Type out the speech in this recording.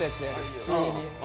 普通に。